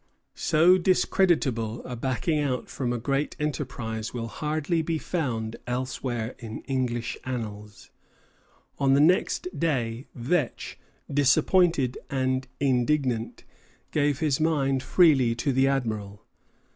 So discreditable a backing out from a great enterprise will hardly be found elsewhere in English annals. On the next day Vetch, disappointed and indignant, gave his mind freely to the Admiral.